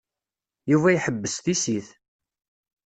Yuba iḥebbes tissit.